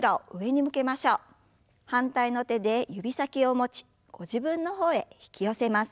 反対の手で指先を持ちご自分の方へ引き寄せます。